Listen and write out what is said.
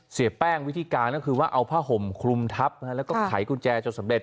เสียแป้งวิธีการก็คือว่าเอาผ้าห่มคลุมทับแล้วก็ไขกุญแจจนสำเร็